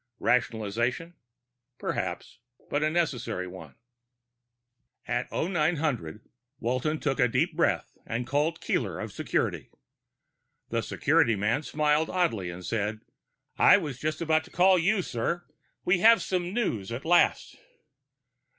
Rationalization? Perhaps. But a necessary one. At 0900 Walton took a deep breath and called Keeler of security. The security man smiled oddly and said, "I was just about to call you, sir. We have some news, at last."